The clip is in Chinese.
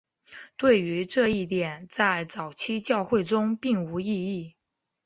对于这一点在早期教会中并无异议。